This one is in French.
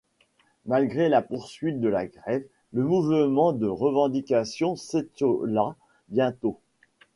Malgré la poursuite de la grève, le mouvement de revendication s'étiola bientôt.